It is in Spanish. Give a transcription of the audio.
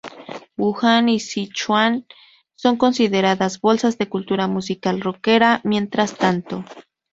Wuhan y Sichuan son consideradas bolsas de cultura musical rockera mientras tanto.